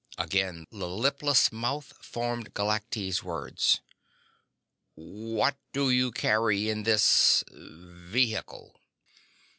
Again, the lipless mouth formed Galactese words: "What do you carry in this ... vehicle?"